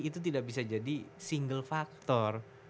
itu tidak bisa jadi single faktor